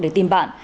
để tìm bạn